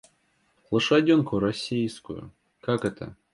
Лошаденку рассейскую, как это?